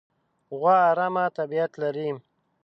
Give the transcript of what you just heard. غوا ارامه طبیعت لري.